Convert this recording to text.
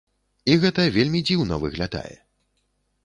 І гэта вельмі дзіўна выглядае.